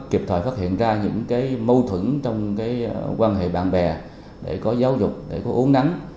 kịp thời phát hiện ra những mâu thuẫn trong quan hệ bạn bè để có giáo dục để có uống nắng